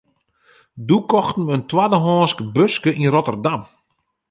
Doe kochten we in twaddehânsk buske yn Rotterdam.